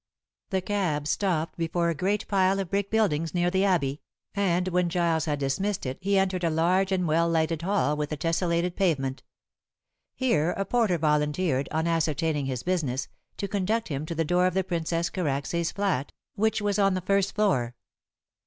The cab stopped before a great pile of brick buildings near the Abbey, and when Giles had dismissed it he entered a large and well lighted hall with a tesselated pavement. Here a porter volunteered, on ascertaining his business, to conduct him to the door of the Princess Karacsay's flat, which was on the first floor.